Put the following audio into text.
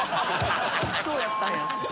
そうやったんや。